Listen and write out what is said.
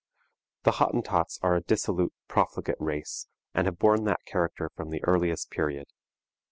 The Hottentots are a dissolute, profligate race, and have borne that character from the earliest period.